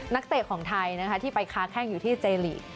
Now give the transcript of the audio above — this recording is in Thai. เตะของไทยนะคะที่ไปค้าแข้งอยู่ที่เจลีก